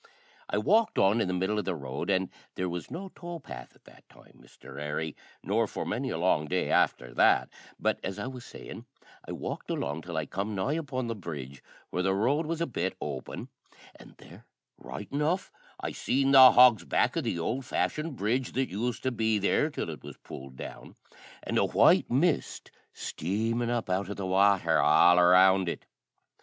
I walked on in the middle iv the road, for there was no toe path at that time, Misther Harry, nor for many a long day afther that; but, as I was sayin', I walked along till I come nigh upon the brudge, where the road was a bit open, an' there, right enough, I seen the hog's back o' the ould fashioned brudge that used to be there till it was pulled down, an' a white mist steamin' up out o' the wather all around it.